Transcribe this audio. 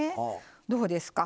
どうですか？